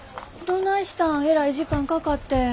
どないしたんえらい時間かかって。